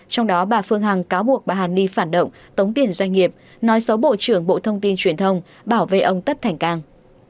trong đó bà phương hằng cáo buộc bà hàn ni phản động tống tiền doanh nghiệp nói xấu bộ trưởng bộ thông tin truyền thông bảo vệ ông tất thành cang